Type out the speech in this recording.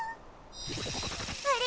あれ？